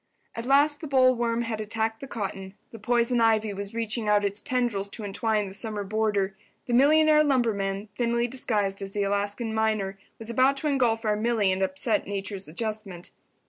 At last the bollworm had attacked the cotton—the poison ivy was reaching out its tendrils to entwine the summer boarder—the millionaire lumberman, thinly disguised as the Alaskan miner, was about to engulf our Milly and upset Nature's adjustment.